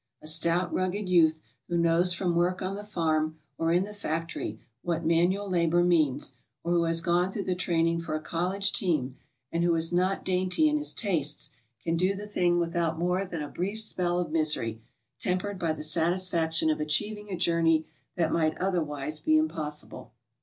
stout, rugged youth who knows from work on the farm or in the factory what manual labor means, or who has gone through the training for a college team, and who is not dainty in his tastes, can do the thing without more than a brief spell of misery, tempered by the satisfaction of achiev ing a journey that might otherwise be impossible.